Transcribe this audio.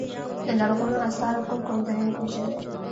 د لرغونو اثارو کوم کوم ځایونه پيژنئ.